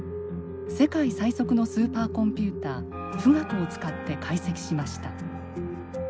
世界最速のスーパーコンピューター富岳を使って解析しました。